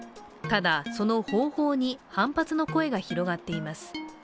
ただ、その方法に反発の声が広がっています。